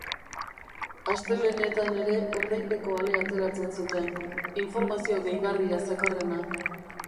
Astelehenetan ere ordainpeko alea ateratzen zuten, informazio gehigarria zekarrena.